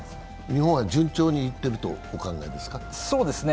日本は順調にいってるとお考えですか？